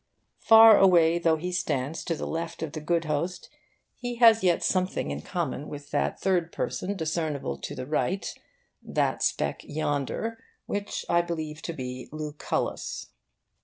Far away though he stands to the left of the good host, he has yet something in common with that third person discernible on the right that speck yonder, which I believe to be Lucullus.